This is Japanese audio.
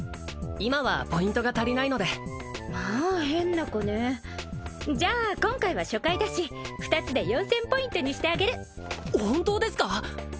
今はポイントが足りないのでまあ変な子ねじゃあ今回は初回だし二つで４０００ポイントにしてあげる本当ですか！？